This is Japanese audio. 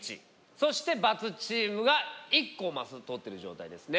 そして×チームが１個マス取ってる状態ですね。